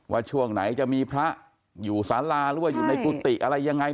ว่าช่วงไหนจะมีพระอยู่สาราหรือว่าอยู่ในกุฏิอะไรยังไง